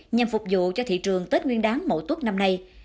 nhằm phục vụ cho thị trường tết nguyên đán mẫu tuốt năm nay